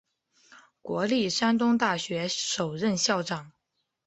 国立山东大学首任校长。